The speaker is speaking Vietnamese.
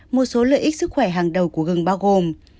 một số lợi ích sức khỏe hàng đầu của gừng bao gồm